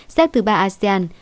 xếp từ ba asean